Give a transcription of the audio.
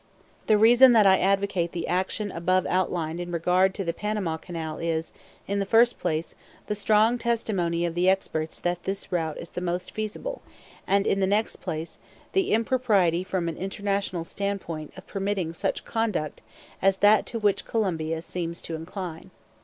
"The reason that I advocate the action above outlined in regard to the Panama canal is, in the first place, the strong testimony of the experts that this route is the most feasible; and in the next place, the impropriety from an international standpoint of permitting such conduct as that to which Colombia seems to incline.